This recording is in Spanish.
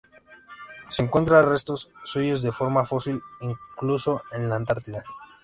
Se encuentran restos suyos de forma fósil incluso en la Antártida.